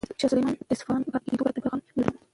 شاه سلیمان د اصفهان له پاتې کېدو پرته بل غم نه درلود.